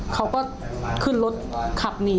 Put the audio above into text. เขาก็ขึ้นรถขับหนี